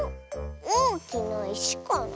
おおきないしかな？